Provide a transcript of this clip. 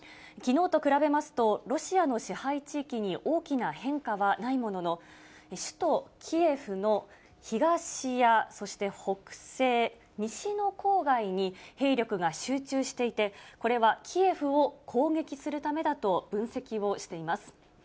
きのうと比べますと、ロシアの支配地域に大きな変化はないものの、首都キエフの東やそして北西、西の郊外に兵力が集中していて、これはキエフを攻撃するためだと分析をしています。